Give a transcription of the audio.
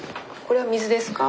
これは水ですか？